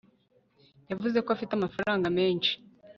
Yavuze ko afite amafaranga menshi